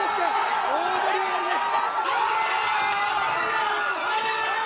大盛り上がりです。